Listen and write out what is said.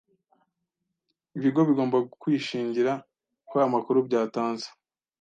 Ibigo bigomba kwishingira ko amakuru byatanze